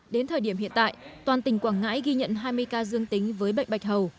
đến thời điểm hiện tại toàn tỉnh quảng ngãi ghi nhận hai mươi ca dương tính với bệnh bạch hầu